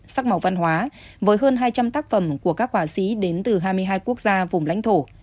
sắc màu văn hóa với hơn hai trăm linh tác phẩm của các họa sĩ đến từ hai mươi hai quốc gia vùng lãnh thổ